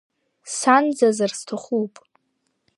Санӡазар сҭахуп.